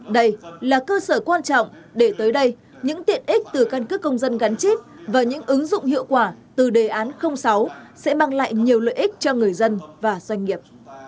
đây là cơ sở quan trọng để tới đây những tiện ích từ căn cước công dân gắn chip và những ứng dụng hiệu quả từ đề án sáu sẽ mang lại nhiều lợi ích cho người dân và doanh nghiệp